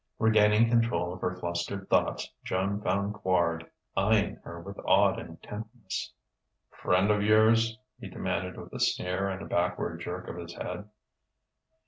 Regaining control of her flustered thoughts, Joan found Quard eyeing her with odd intentness. "Friend of yours?" he demanded with a sneer and a backward jerk of his head.